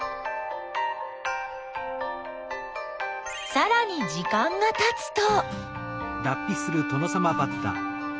さらに時間がたつと。